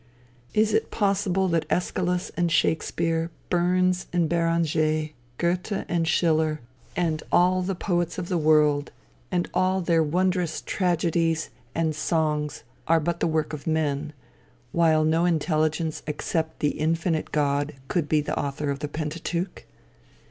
Is it possible that Æschylus and Shakespeare, Burns, and Beranger, Goethe and Schiller, and all the poets of the world, and all their wondrous tragedies and songs are but the work of men, while no intelligence except the infinite God could be the author of the Pentateuch?